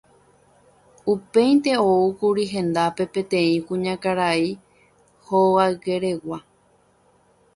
Upéinte oúkuri hendápe peteĩ kuñakarai hogaykeregua.